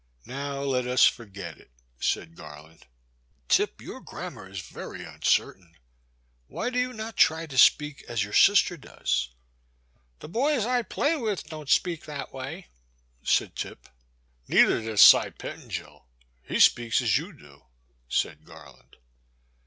Now let us forget it,*' said Garland, *' Tip, your grammar is very uncertain. Why do you not try to speak as your sister does ?'The boys I play with don't speak that way,'* said Tip. The Boy's Sister. 251 it f ( Neither does Cy Pettingil, — ^he speaks as you do/' said Garland.